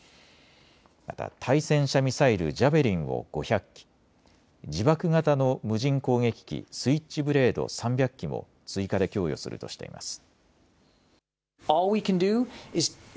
また、対戦車ミサイルジャベリンを５００基、自爆型の無人攻撃機スイッチブレード３００機も追加で供与するとしています。